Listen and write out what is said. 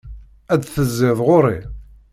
Ad d-tezziḍ ɣur-i.